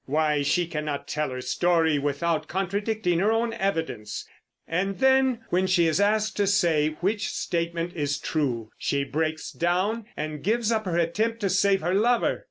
Why, she cannot tell her story without contradicting her own evidence, and then when she is asked to say which statement is true, she breaks down and gives up her attempt to save her lover!